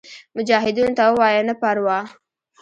مجاهدینو ته ووایه نه پروا.